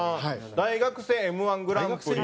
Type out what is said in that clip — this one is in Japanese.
大学生Ｍ−１グランプリ。